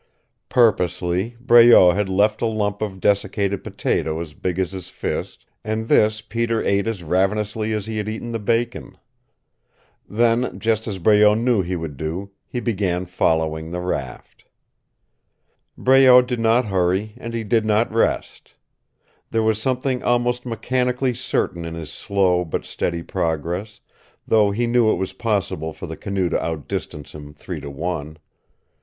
Purposely Breault had left a lump of desiccated potato as big as his fist, and this Peter ate as ravenously as he had eaten the bacon. Then, just as Breault knew he would do, he began following the raft. Breault did not hurry, and he did not rest. There was something almost mechanically certain in his slow but steady progress, though he knew it was possible for the canoe to outdistance him three to one.